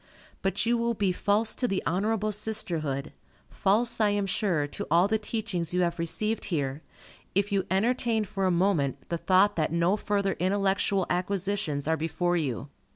But you will be false to the honorable sisterhood, false, I am sure, to all the teachings you have received here, if you entertain for a moment the thought that no further intellectual acquisitions are before you.